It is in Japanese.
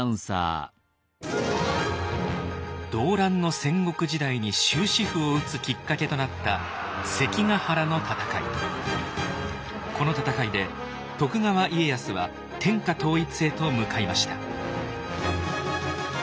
動乱の戦国時代に終止符を打つきっかけとなったこの戦いで徳川家康は天下統一へと向かいました。